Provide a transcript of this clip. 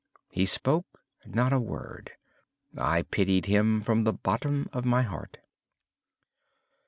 He spoke not a word. I pitied him from the bottom of my heart.